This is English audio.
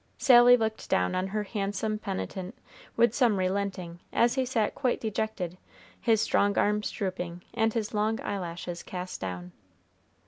Sally looked down on her handsome penitent with some relenting, as he sat quite dejected, his strong arms drooping, and his long eyelashes cast down.